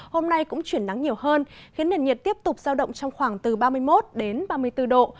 hôm nay cũng chuyển nắng nhiều hơn khiến nền nhiệt tiếp tục giao động trong khoảng từ ba mươi một ba mươi bốn độ